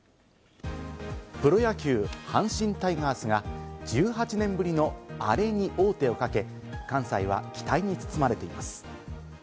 プロ野球・阪神タイガースが１８年ぶりのアレに王手をかけ、関西は期待に包まれています。